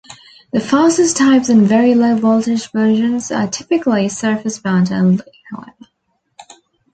The fastest types and very low voltage versions are typically surface-mount only, however.